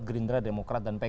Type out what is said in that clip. gerindra demokrat dan pks